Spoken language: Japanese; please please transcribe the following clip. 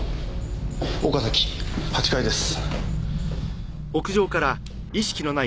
岡崎８階です。